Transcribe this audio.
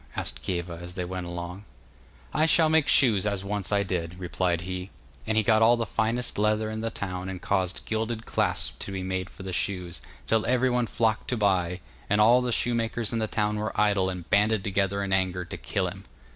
asked Kieva as they went along. 'I shall make shoes as once I did,' replied he; and he got all the finest leather in the town and caused gilded clasps to be made for the shoes, till everyone flocked to buy, and all the shoemakers in the town were idle and banded together in anger to kill him.